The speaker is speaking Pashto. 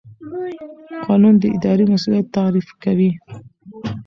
قانون د اداري مسوولیت تعریف کوي.